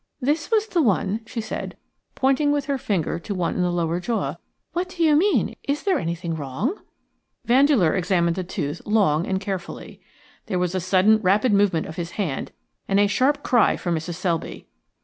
"This was the one," she said, pointing with her finger to one in the lower jaw. "What do you mean? Is there anything wrong?" Vandeleur examined the tooth long and carefully. There was a sudden rapid movement of his hand, and a sharp cry from Mrs. Selby.